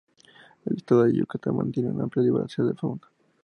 El estado de Yucatán mantiene una amplia diversidad de fauna.